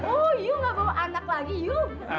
oh yu gak bawa anak lagi yu